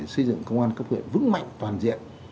xây dựng công an cấp huyện vững mạnh toàn diện